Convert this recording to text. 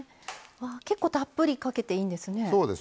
結構たっぷりかけていいんですね。